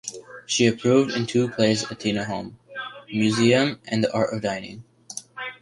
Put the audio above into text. She appeared in two plays by Tina Howe: "Museum" and "The Art of Dining".